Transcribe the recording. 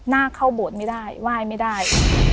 น่าเข้าโบสถ์ไม่ได้ว่ายไม่ได้